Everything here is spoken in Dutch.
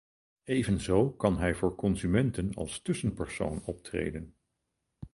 Evenzo kan hij voor consumenten als tussenpersoon optreden.